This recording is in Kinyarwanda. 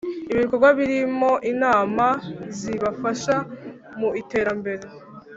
ibikorwa birimo inama zibafasha mu iterambere